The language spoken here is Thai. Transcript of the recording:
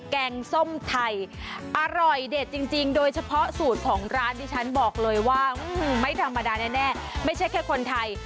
แกงส้มไทยอร่อยเด็ดจริงโดยเฉพาะสูตรของร้านที่ฉันบอกเลยว่าไม่ธรรมดาแน่ไม่ใช่แค่คนไทย